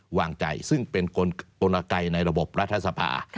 วางใจซึ่งเป็นกลไกในระบบรัฐสภา